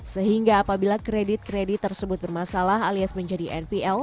sehingga apabila kredit kredit tersebut bermasalah alias menjadi npl